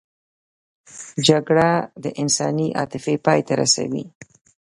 جګړه د انساني عاطفې پای ته رسوي